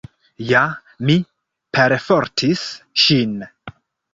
Ja, mi perfortis ŝin.